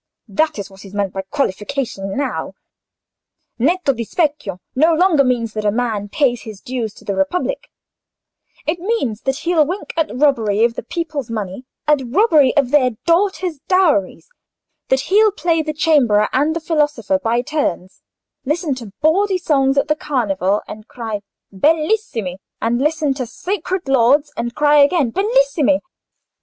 That is what is meant by qualification now: netto di specchio no longer means that a man pays his dues to the Republic: it means that he'll wink at robbery of the people's money—at robbery of their daughters' dowries; that he'll play the chamberer and the philosopher by turns—listen to bawdy songs at the Carnival and cry 'Bellissimi!'—and listen to sacred lauds and cry again 'Bellissimi!